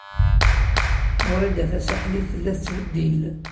Wrida Tasaḥlit tella tettbeddil.